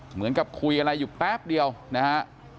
เหมือนกับคุยอะไรอยู่แป๊บเดียวนะฮะ